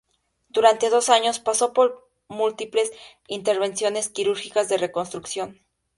Durante dos años pasó por múltiples intervenciones quirúrgicas de reconstrucción.